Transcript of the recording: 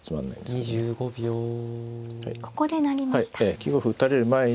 ９五歩打たれる前に。